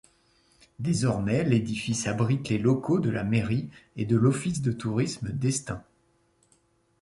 Désormais, l'édifice abrite les locaux de la mairie et de l'office de tourisme d'Estaing.